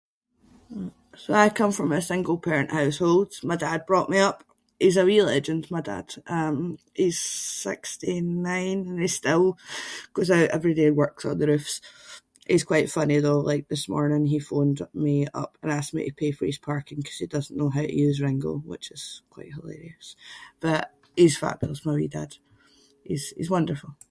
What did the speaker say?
So I come from a single parent household, my dad brought me up. He’s a wee legend my dad. Um he’s sixty-nine and he still goes out every day and works on the roofs. He’s quite funny though, like this morning he phoned up- me up and asked me to pay for his parking ‘cause he doesn’t know how to use Ringo which is quite hilarious. But he’s fabulous my wee dad. He’s- he’s wonderful.